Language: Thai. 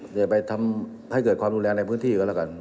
อย่าไปทำให้เกิดความรุนแรงในพื้นที่ก็แล้วกัน